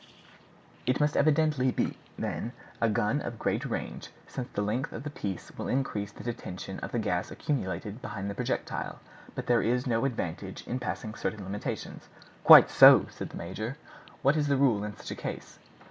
It must evidently be, then, a gun of great range, since the length of the piece will increase the detention of the gas accumulated behind the projectile; but there is no advantage in passing certain limits." "Quite so," said the major. "What is the rule in such a case?"